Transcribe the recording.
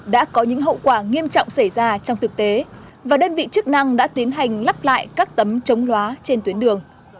đã có những hậu quả nghiêm trọng xảy ra trong thực tế và đơn vị chức năng đã tiến hành lắp lại các tấm chống lóa trên tuyến đường